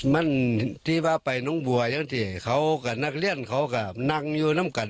มันที่ว่าไปน้องบัวอย่างที่เขากับนักเรียนเขาก็นั่งอยู่น้ำกัน